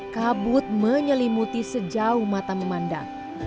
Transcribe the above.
kabut menyelimuti sejauh mata memandang